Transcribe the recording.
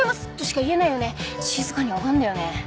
静かに拝んだよね。